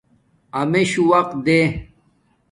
امشو وقت دیں